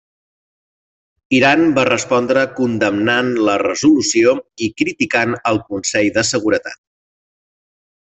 Iran va respondre condemnant la resolució i criticant al Consell de Seguretat.